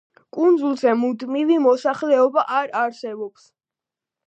კუნძულზე მუდმივი მოსახლეობა არ არსებობს.